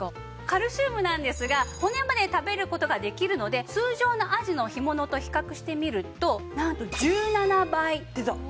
カルシウムなんですが骨まで食べる事ができるので通常のあじの干物と比較してみるとなんと１７倍摂取できるんですね。